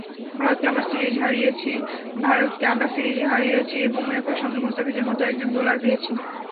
ভারতকে আমরা সিরিজ হারিয়েছি এবং একই সঙ্গে মুস্তাফিজের মতো একজন বোলার পেয়েছি।